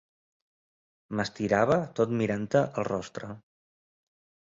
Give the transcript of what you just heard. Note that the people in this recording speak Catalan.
M'estirava tot mirant-te el rostre.